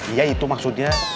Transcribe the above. iya itu maksudnya